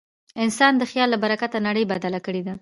انسان د خیال له برکته نړۍ بدله کړې ده.